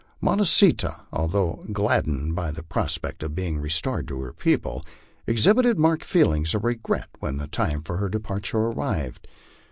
Monah see tah, al though gladdened by the prospect of being restored to her people, exhibited marked feelings of regret when '^e time for her departure arrived.